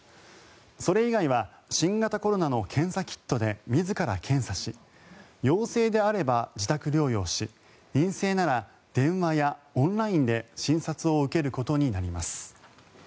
それ以外は新型コロナの検査キットで自ら検査し陽性であれば自宅療養し陰性なら電話やオンラインで診察を受けることになります。